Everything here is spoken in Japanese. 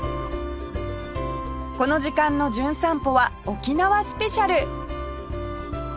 この時間の『じゅん散歩』は沖縄スペシャル